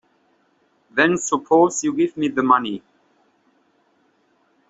Then suppose you give me the money.